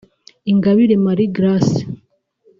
Ingabire Marie Grace